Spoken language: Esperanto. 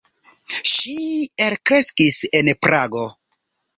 Ŝi elkreskis en Prago.